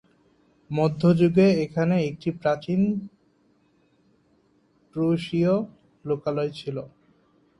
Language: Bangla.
মধ্যযুগে এখানে একটি প্রাচীন প্রুশীয় লোকালয় ছিল।